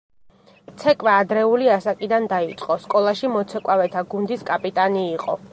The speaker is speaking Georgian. ცეკვა ადრეული ასაკიდან დაიწყო, სკოლაში მოცეკვავეთა გუნდის კაპიტანი იყო.